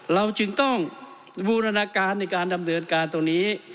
เราจึงต้องบูรณาการในการดำเนินการตรงนี้